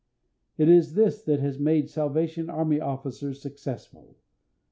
It is this that has made Salvation Army Officers successful.